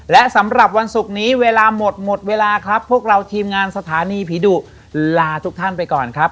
และสำหรับวันศุกร์นี้เวลาหมดหมดเวลาครับพวกเราทีมงานสถานีผีดุลาทุกท่านไปก่อนครับ